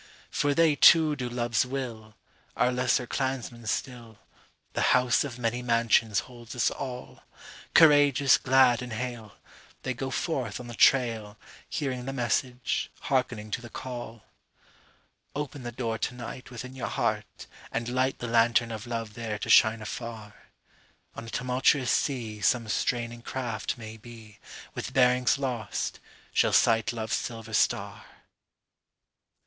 For they, too, do love's will, Our lesser clansmen still; The House of Many Mansions holds us all; Courageous, glad and hale, They go forth on the trail, Hearing the message, hearkening to the call.…Open the door to nightWithin your heart, and lightThe lantern of love there to shine afar. On a tumultuous seaSome straining craft, maybe, With bearings lost, shall sight love's silver star.